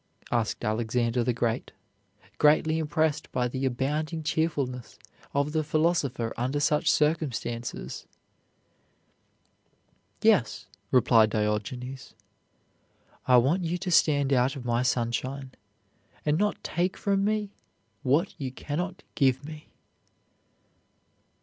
asked Alexander the Great, greatly impressed by the abounding cheerfulness of the philosopher under such circumstances. "Yes," replied Diogenes, "I want you to stand out of my sunshine and not take from me what you can not give me."